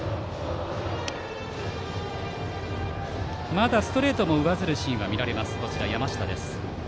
まだストレートが上ずるシーンも見られます、山下。